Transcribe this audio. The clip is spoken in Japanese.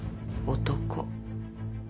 男。